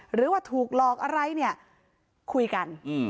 หรือว่าถูกหลอกอะไรเนี่ยคุยกัน